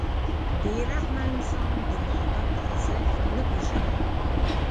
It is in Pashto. • بې رحمه انسان د محبت ارزښت نه پېژني.